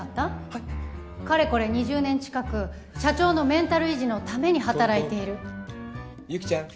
はいかれこれ２０年近く社長のメンタル維持のために働いている由紀ちゃん